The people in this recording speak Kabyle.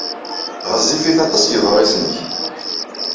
Ɣezzifit aṭas yeḍrisen-ik.